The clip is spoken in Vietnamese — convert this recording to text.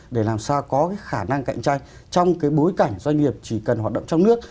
để làm sao có cái khả năng cạnh tranh trong cái bối cảnh doanh nghiệp chỉ cần hoạt động trong nước